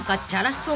そう。